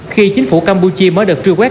khi chính phủ campuchia mới được truy quét